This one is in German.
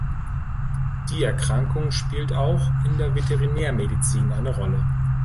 Die Erkrankung spielt auch in der Veterinärmedizin eine Rolle.